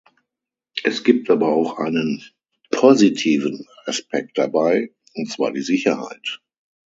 Es gibt auch einen positiven Aspekt dabei, und zwar die Sicherheit.